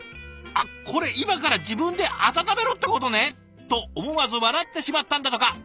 「あっこれ今から自分で温めろってことね」と思わず笑ってしまったんだとか。